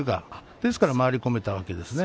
ですから回り込めたわけですね。